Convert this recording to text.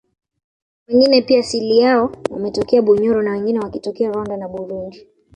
wengine pia asili yao wametokea Bunyoro na wengine wakitokea Rwanda na Burundi